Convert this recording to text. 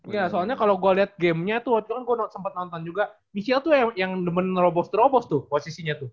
ya soalnya kalau gue lihat gamenya tuh waktu kan gue sempat nonton juga michelle tuh yang menerobos terobos tuh posisinya tuh